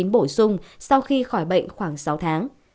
bổ sung sau khi khỏi bệnh khoảng sáu tháng